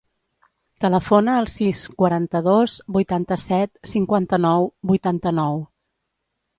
Telefona al sis, quaranta-dos, vuitanta-set, cinquanta-nou, vuitanta-nou.